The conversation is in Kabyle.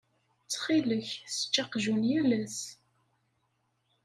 Ttxil-k ssečč aqjun yal ass.